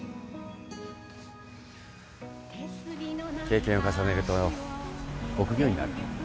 経験を重ねると臆病になる。